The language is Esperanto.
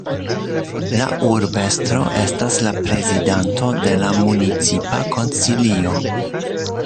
La urbestro estas la prezidanto de la Municipa Konsilio.